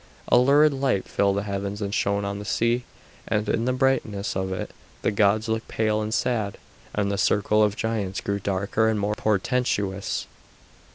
A lurid light filled the heavens and shone on the sea, and in the brightness of it the gods looked pale and sad, and the circle of giants grew darker and more portentous.